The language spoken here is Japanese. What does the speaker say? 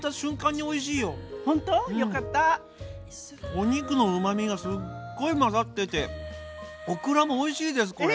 お肉のうまみがすっごい混ざっててオクラもおいしいですこれ。